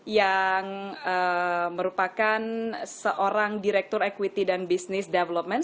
yang merupakan seorang direktur equity dan business development